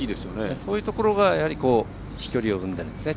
そういうところが飛距離を生んでるんですね。